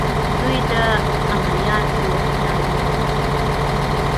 دوی د عملیاتو خیال لري.